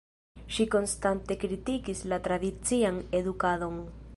Ŝi konstante kritikis la tradician edukadon.